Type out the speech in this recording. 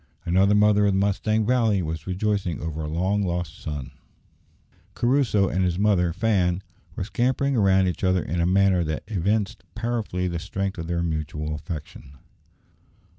Another mother of the Mustang Valley was rejoicing over a long lost son. Crusoe and his mother Fan were scampering round each other in a manner that evinced powerfully the strength of their mutual affection.